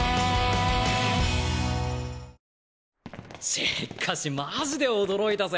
しっかしマジで驚いたぜ。